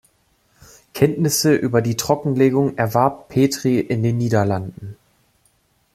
Kenntnisse über die Trockenlegung erwarb Petri in den Niederlanden.